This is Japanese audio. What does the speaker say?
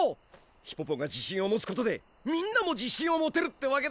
ヒポポが自信を持つことでみんなも自信を持てるってわけだ！